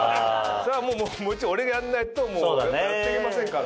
それはもうもちろん俺がやんないとやっぱやっていけませんから。